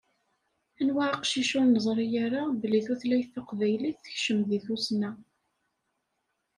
Anwa aqcic ur nezṛi ara belli tutlayt taqbaylit tekcem deg tussna.